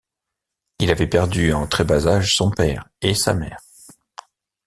Il avait perdu en très bas âge son père et sa mère.